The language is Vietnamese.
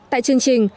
tại chương trình